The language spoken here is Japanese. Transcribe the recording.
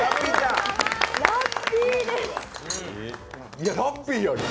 いや、ラッピーや。